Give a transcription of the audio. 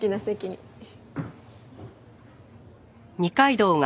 はい。